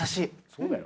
そうだよ。